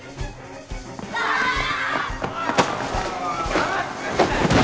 ・邪魔すんなよ。